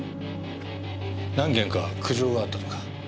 何件か苦情があったとか。